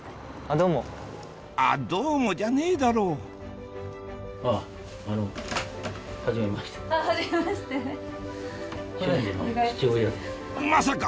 「あっどうも」じゃねえだろうまさか！